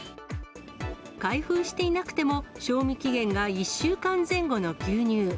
開封していなくても賞味期限が１週間前後の牛乳。